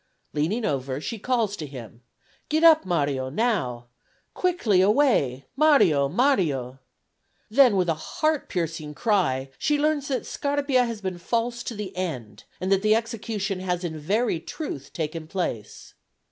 Leaning over, she calls to him: "Get up, Mario, now. Quickly away, Mario, Mario." Then with a heart piercing cry she learns that Scarpia has been false to the end, and that the execution has in very truth taken place.